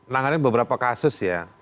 nanggarin beberapa kasus ya